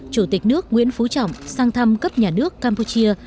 chủ tịch nước nguyễn phú trọng sang thăm cấp nhà nước campuchia